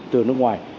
từ nước ngoài